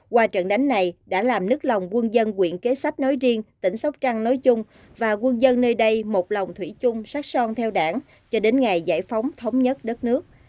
qua trận đánh này đã làm nức lòng quân dân quyện kế sách nói riêng tỉnh sóc trăng nói chung và quân dân nơi đây một lòng thủy chung sát son theo đảng cho đến ngày giải phóng thống nhất đất nước